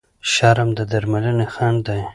شرم د درملنې خنډ دی.